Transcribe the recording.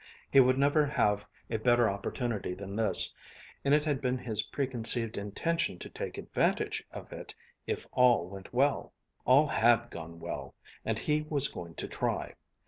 He would never have a better opportunity than this, and it had been his preconceived intention to take advantage of it if all went well. All had gone well and he was going to try.